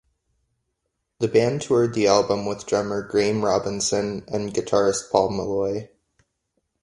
The band toured the album with drummer Graeme Robinson and guitarist Paul Molloy.